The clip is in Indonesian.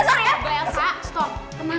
dicegah tol yang dasar ya